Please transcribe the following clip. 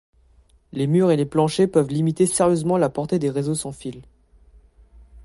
Les murs et les planchers peuvent limiter sérieusement la portée des réseaux sans fil.